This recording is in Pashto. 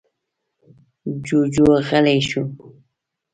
جوجو غلی شو.